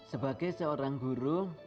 sebagai seorang guru